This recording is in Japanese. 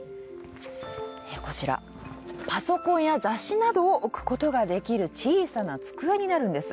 こちらパソコンや雑誌などを置くことができる小さな机になるんです。